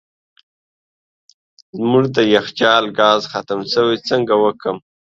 زموږ د یخچال ګاز ختم سوی څنګه وکم